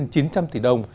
cao hơn cả hai tỷ đồng